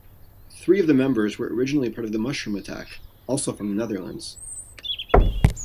Three of the members were originally part of Mushroom Attack, also from the Netherlands.